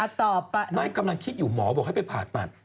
หน้ากำลังคิดอยู่หมอบอกให้ไปผ่าตัด